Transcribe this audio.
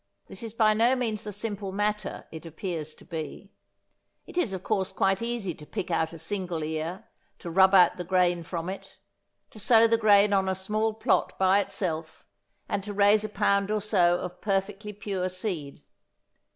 This is by no means the simple matter it appears to be. It is of course quite easy to pick out a single ear, to rub out the grain from it, to sow the grain on a small plot by itself and to raise a pound or so of perfectly pure seed.